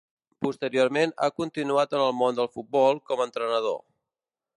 Posteriorment ha continuat en el món del futbol com a entrenador.